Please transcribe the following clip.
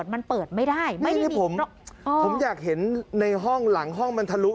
เดี๋ยวลองดู